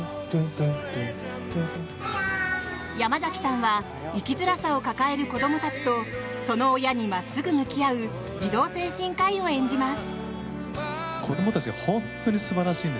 山崎さんは生きづらさを抱える子供たちとその親に真っすぐ向き合う児童精神科医を演じます。